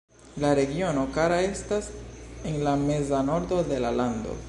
La regiono Kara estas en la meza nordo de la lando.